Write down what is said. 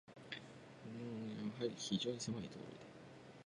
丸太町通も、やはり非常にせまい道路で、